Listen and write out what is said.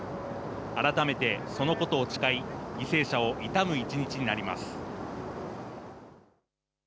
改めてそのことを誓い犠牲者を悼む一日になります。